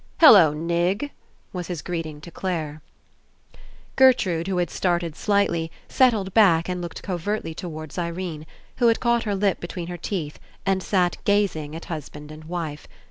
*'Hello, Nig," was his greeting to Clare. Gertrude who had started slightly, set tled back and looked covertly towards Irene, who had caught her lip between her teeth and sat gazing at husband and wife.